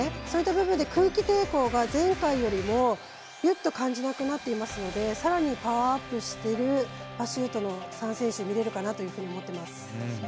そういった部分で空気抵抗が前回よりも感じなくなっていますのでさらにパワーアップしてるパシュートの３選手見れるかなと思ってます。